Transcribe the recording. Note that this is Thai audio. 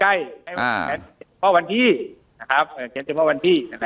ให้ร่างใกล้ให้เพราะวันที่นะครับเพราะวันที่